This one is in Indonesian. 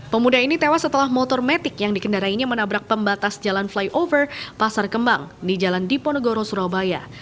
pemuda ini tewas setelah motor metik yang dikendarainya menabrak pembatas jalan flyover pasar kembang di jalan diponegoro surabaya